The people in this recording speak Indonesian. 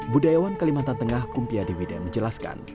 budayawan kalimantan tengah kumpia dewide menjelaskan